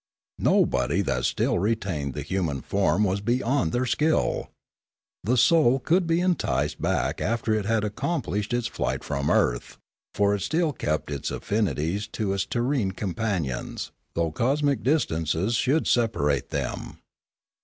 No body that still retained the human form was beyond their skill; the soul could be enticed back after it had accomplished its flight from earth, for it still kept its affinities to its terrene companions, though cosmic distances should separate them.